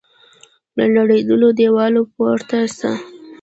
له نړېدلو دیوالو پورته سه